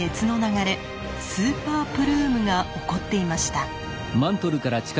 スーパープルームが起こっていました。